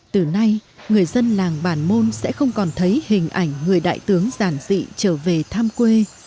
từ nay người dân làng bản môn sẽ không còn thấy hình ảnh người đại tướng giản dị trở về tham quê